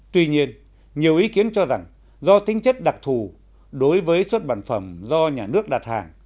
tuy nhiên nhiều ý kiến cho rằng do tính chất đặc thù đối với xuất bản phẩm do nhà nước đặt hàng